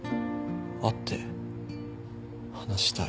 会って話したい。